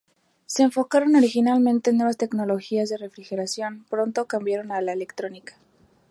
Se enfocaron originalmente en nuevas tecnologías de refrigeración, pronto cambiaron a la electrónica.